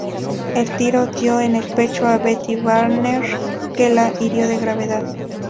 El tiro dio en el pecho a Betty Banner, que la hirió de gravedad.